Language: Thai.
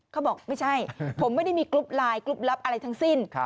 เขาบอกไม่ใช่ผมไม่ได้มีกรุ๊ปไลน์กรุ๊ปลับอะไรทั้งสิ้น